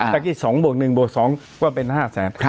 เมื่อกี้๒บวก๑บวก๒ก็เป็น๕แสน